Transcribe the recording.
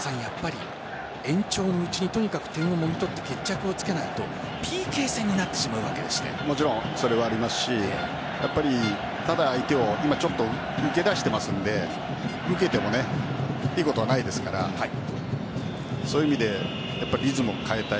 やっぱり延長のうちにとにかく点を取って決着をつけないともちろんそれはありますしただ、相手は抜け出してますので受けてもいいことはないですからそういう意味でリズムを変えたい。